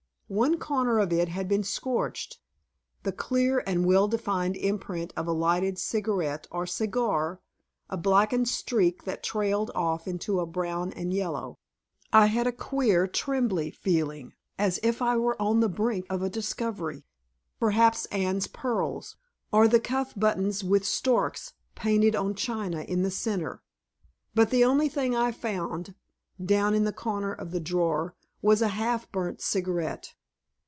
One corner of it had been scorched, the clear and well defined imprint of a lighted cigarette or cigar, a blackened streak that trailed off into a brown and yellow. I had a queer, trembly feeling, as if I were on the brink of a discovery perhaps Anne's pearls, or the cuff buttons with storks painted on china in the center. But the only thing I found, down in the corner of the drawer, was a half burned cigarette.